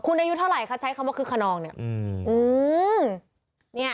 คุณอายุเท่าไหร่คะใช้คำว่าคึกขนองเนี่ย